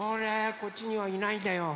こっちにはいないんだよ。